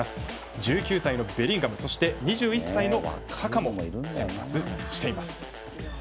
１９歳のベリンガムそして、２１歳のサカも先発しています。